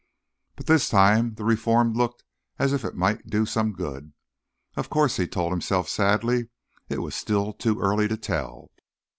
But this time, the reform looked as if it might do some good. Of course, he told himself sadly, it was still too early to tell.